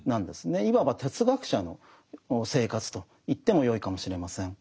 いわば哲学者の生活と言ってもよいかもしれません。